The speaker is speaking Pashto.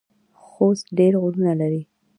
خوست ډیر غرونه لري